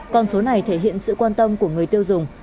con số này thể hiện sự quan tâm của người tiêu dùng